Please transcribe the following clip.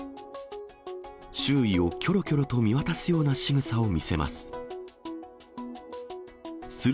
周囲をきょろきょろと見渡すようなしぐさを見せます。